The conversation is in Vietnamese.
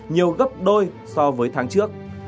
nhiều gấp đôi so với tháng trước